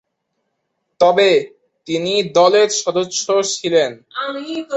তবে, তিনি দলের সদস্য ছিলেন।